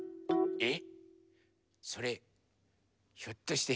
えっ⁉